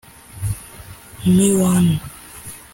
M One